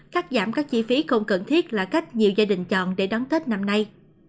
cắt giảm các chi phí không cần thiết là cách nhiều gia đình chọn để đón tết năm nay